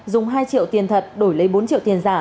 dùng hai triệu tiền thật đổi lấy bốn triệu tiền giả